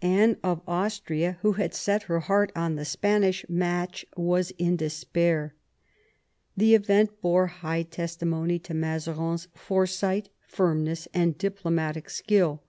Anne of Austria, who had set her heart on the Spanish match, was in despair. The event bore high testimony to Mazarin's foresight, firmness, and diplomatic skill.